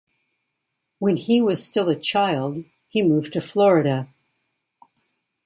When he was still a child, he moved to Florida.